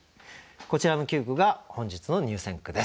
こちらの９句が本日の入選句です。